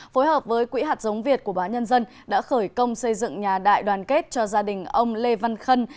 phối hợp với quỹ hạt giống việt của báo nhân dân đã khởi công xây dựng nhà đại đoàn kết cho gia đình ông lê văn khân